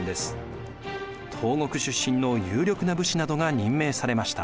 東国出身の有力な武士などが任命されました。